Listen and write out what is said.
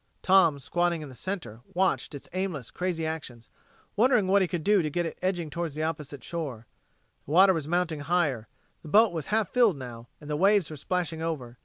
Tom, squatting in the center, watched its aimless, crazy actions, wondering what he could do to get it edging towards the opposite shore. The water was mounting higher; the boat was half filled now, and the waves were splashing over.